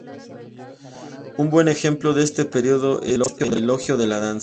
Un buen ejemplo de este periodo es el "Elogio de la danza".